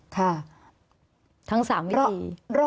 ทั้ง๓วิธี